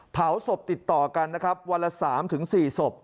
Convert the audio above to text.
เผาศพติดต่อกันนะครับวันละ๓๔ศพ